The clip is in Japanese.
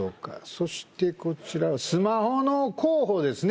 そしてこちらはスマホの候補ですね